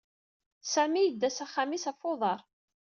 Sami idda s axxam-is ɣef uḍaṛ.